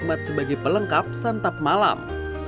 dan nikmat sebagai pelengkap santap malam